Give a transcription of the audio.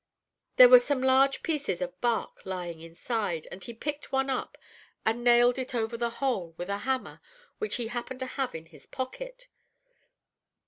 There were some large pieces of bark lying inside, and he picked one up and nailed it over the hole with a hammer which he happened to have in his pocket.